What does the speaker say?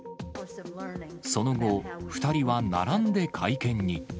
その後、２人は並んで会見に。